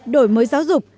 đổi mới giáo dục